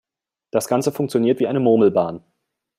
Das Ganze funktioniert wie eine Murmelbahn.